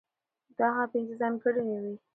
دا هغه پنځه ځانګړنې وې،